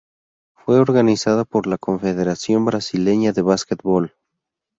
Fue organizada por la Confederación Brasileña de Básquetbol.